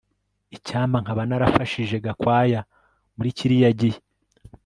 Icyampa nkaba narafashije Gakwaya muri kiriya gihe